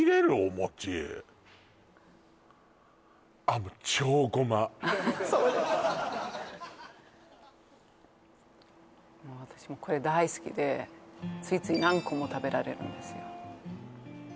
もうそうですもう私これ大好きでついつい何個も食べられるんですよ